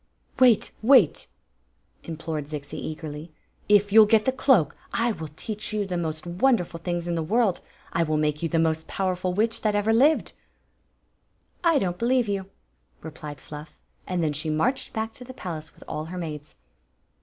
" Wait — wait !" implored Zixi, eagerly. "If you '11 get the cloak I will teach you the most wonderful things in the world ! I will make you the most pow erful witch that ever lived I "" I don't believe you," replied Fluff; and then she •marched back to the palace with ail her maids.